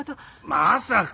まさか。